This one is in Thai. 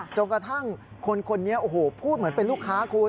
จนกระทั่งคนคนนี้โอ้โหพูดเหมือนเป็นลูกค้าคุณ